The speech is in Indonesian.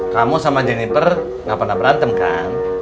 kamu sama jenniper gak pernah berantem kan